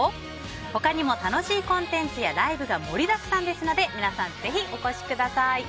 他にも楽しいコンテンツやライブが盛りだくさんですので皆さんぜひお越しください！